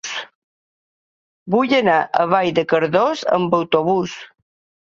Vull anar a Vall de Cardós amb autobús.